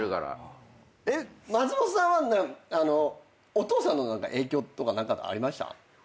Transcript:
松本さんはお父さんの影響とかありました？